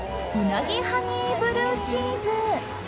鰻ハニーブルーチーズ。